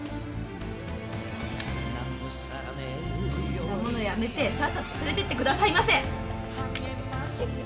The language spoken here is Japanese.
こんなものやめてさっさと連れていってくださいませ！